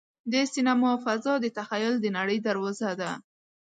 د سینما فضا د تخیل د نړۍ دروازه ده.